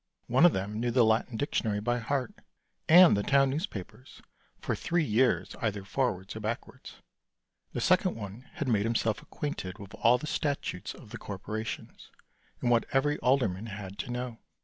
One of them knew the Latin Dictionary by heart, and the town newspapers for three years either forwards or backwards. The second one had made him self acquainted with all the statutes of the Corporations, and what every alderman had to know.